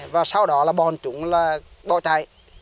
và sau đó là bọn trung là bỏ chạy